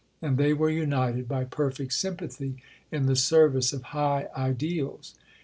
And they were united by perfect sympathy in the service of high ideals.